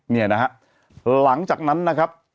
เนี่ยนะฮะหลังจากนั้นนะครับ